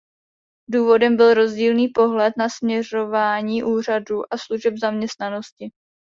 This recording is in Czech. Důvodem byl rozdílný pohled na směřování úřadu a služeb zaměstnanosti.